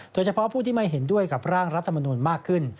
โดยเฉพาะผู้ที่ไม่เห็นด้วยกับร่างรัฐมนุนมากขึ้น